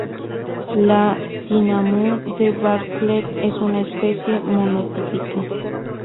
La Tinamú de Bartlett es una especie monotípica.